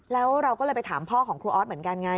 แล้วเราก็เลยไปถามพ่อของครูออสเหมือนกันไง